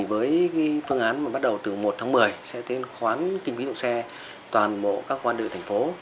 với phương án bắt đầu từ một tháng một mươi sẽ tiết kiệm khoán kinh phí dụng xe toàn bộ các quan đội thành phố